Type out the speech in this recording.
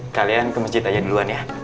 kalian ke masjid aja duluan ya